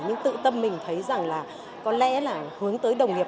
nhưng tự tâm mình thấy rằng là có lẽ là hướng tới đồng nghiệp